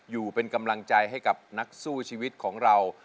อยู่เป็นกำลังใจให้กับนักสู้ชีวิตของเรา